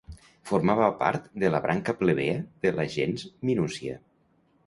Formava part de la branca plebea de la gens Minúcia.